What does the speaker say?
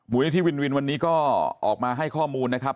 วันนี้ที่วินวินวันนี้ก็ออกมาให้ข้อมูลนะครับ